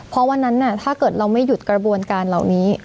เพราะวันนั้นถ้าเกิดเราไม่หยุดกระบวนการเหล่านี้